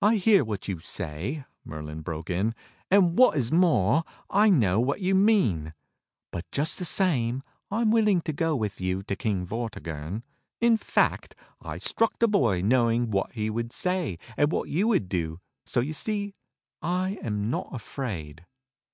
"I hear what you say," Merlin broke in, "and what is more, I know what you mean; but just the same, I am willing to go with you to King Vortigern. In fact I struck the boy knowing what he would say and what you would do; so jmu see I am not afraid."